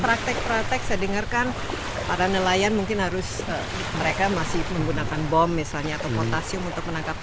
praktek praktek saya dengarkan para nelayan mungkin harus mereka masih menggunakan bom misalnya atau potasium untuk menangkap